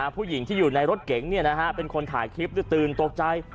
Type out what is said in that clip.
ผู้หญิงที่อยู่ในรถเก๋งเป็นคนถ่ายคลิปตื่นตกใจ